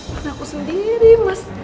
mana aku sendiri mas